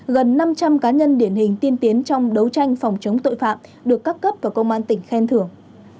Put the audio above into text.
gần năm trăm linh cá nhân điển hình tiên tiến trong đấu tranh phòng chống tội phạm được các cấp và công an tỉnh khen thưởng